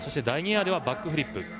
第２エアではバックフリップ。